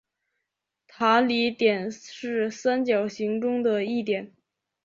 塔里点是三角形中的一点。